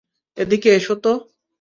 এদিকে এসো তো।